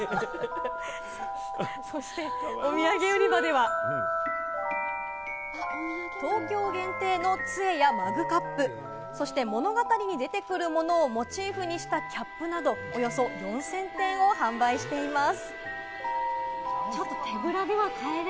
そしてお土産売り場では、東京限定の杖やマグカップ、そして物語に出てくるものをモチーフにしたキャップなど、およそ４０００点を販売しています。